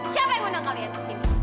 siapa yang undang kalian ke sini